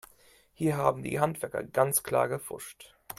Hier haben die Handwerker ganz klar gepfuscht.